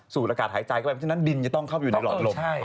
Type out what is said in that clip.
สุดอากาศหายใจก็แบบนั้นดินจะต้องเข้าอยู่ในหลอนลม